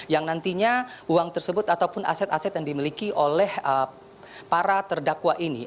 yang nantinya uang tersebut ataupun aset aset yang dimiliki oleh para terdakwa ini